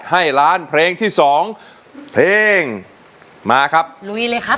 ให้ล้านเพลงที่สองเพลงมาครับลุยเลยครับ